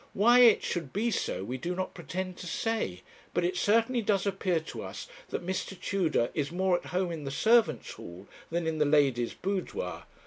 Why it should be so, we do not pretend to say; but it certainly does appear to us that Mr. Tudor is more at home in the servants' hall than in the lady's boudoir.'